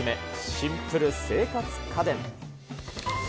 シンプル生活家電。